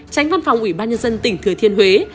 tránh văn phòng ủy ban nhân dân tỉnh thừa thiên huế